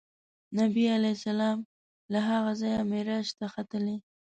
نبي علیه السلام له هغه ځایه معراج ته ختلی.